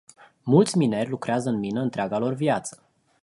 Mulți mineri lucrează în mină întreaga lor viață.